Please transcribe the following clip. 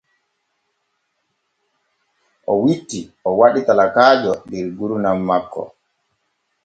O witti o waɗi talakaajo der gurdam makko.